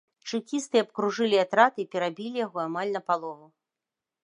Чэкісты абкружылі атрад і перабілі яго амаль напалову.